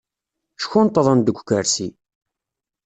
Ckunṭḍen deg ukersi.